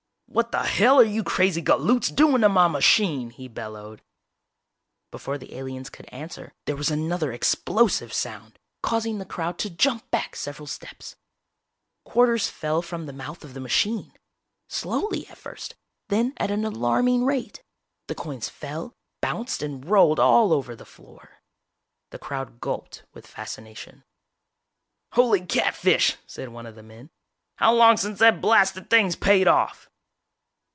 "What the hell are you crazy galoots doing to my machine!" he bellowed. Before the aliens could answer there was another explosive sound, causing the crowd to jump back several steps. Quarters fell from the mouth of the machine, slowly at first, then at an alarming rate. The coins fell, bounced and rolled all over the floor. The crowd gulped with fascination. "Holy catfish!" said one of the men, "how long since that blasted thing's paid off?"